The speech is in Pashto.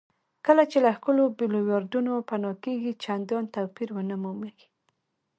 کله چې له ښکلو بولیوارډونو پناه کېږئ چندان توپیر ونه مومئ.